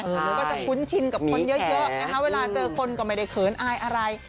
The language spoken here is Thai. มันก็จะคุ้นชินกับคนเยอะนะคะเวลาเจอคนก็ไม่ได้เขินอายอะไร